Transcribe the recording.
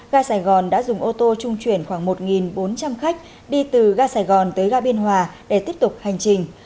ga sài gòn đã dùng ô tô trung chuyển khoảng một bốn trăm linh khách đi từ ga sài gòn tới ga biên hòa để tiếp tục hành trình